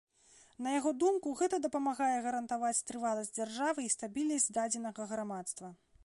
На яго думку гэта дапамагае гарантаваць трываласць дзяржавы і стабільнасць дадзенага грамадства.